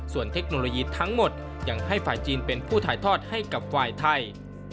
ส่วนเทคโนโลยีทั้งหมดยังให้ฝ่ายจีนเป็นผู้ถ่ายทอดให้กับฝ่ายไทย